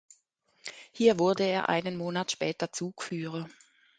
Hier wurde er einen Monat später Zugführer.